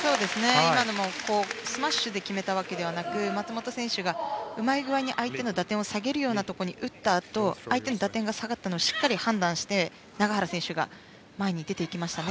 今のもスマッシュで決めたわけではなく松本選手がうまい具合に相手の打点を下げるようなところに打ったあとに相手の打点が下がったのをしっかり判断して永原選手が前に出ていきました。